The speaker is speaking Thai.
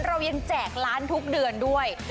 เรายังแจกล้านทุกเดือนด้วย